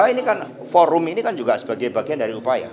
ini kan forum ini kan juga sebagai bagian dari upaya